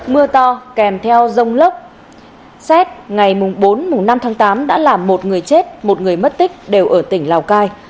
mưa to kèm theo rông lốc xét ngày bốn năm tháng tám đã làm một người chết một người mất tích đều ở tỉnh lào cai